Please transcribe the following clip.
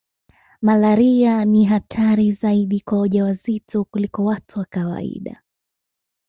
Malaria ni hatari zaidi kwa wajawazito kuliko watu wa kawaida